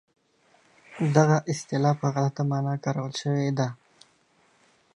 دغه اصطلاح په غلطه مانا کارول شوې ده.